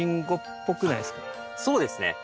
そうですね。